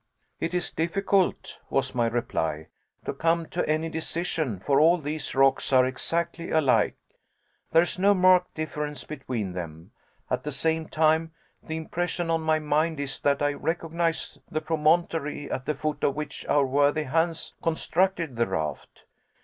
"It is difficult," was my reply, "to come to any decision, for all these rocks are exactly alike. There is no marked difference between them. At the same time, the impression on my mind is that I recognize the promontory at the foot of which our worthy Hans constructed the raft.